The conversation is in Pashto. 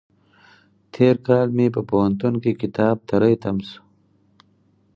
تېر کال مې په پوهنتون کې کتاب تری تم شو.